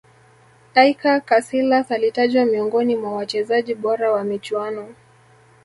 iker casilas alitajwa miongoni mwa wachezaji bora wa michuano